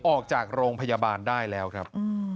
ออกจากโรงพยาบาลได้แล้วครับ